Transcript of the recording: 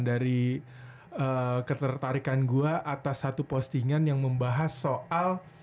dari ketertarikan gue atas satu postingan yang membahas soal